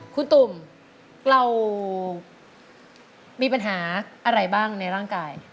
คุณตุ่มเรามีปัญหาอะไรบ้างในร่างกาย